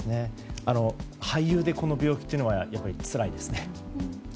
俳優で、この病気というのはやっぱりつらいですね。